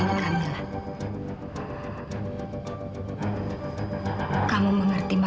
syukurlah aku cuma mimpi